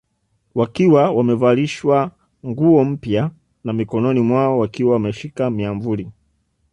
Wakiwa wamevalishwa nguo mpya na mikononi mwao wakiwa wameshika miamvuli